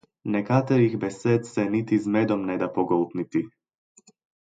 Nekaterih besed se niti z medom ne da pogoltniti.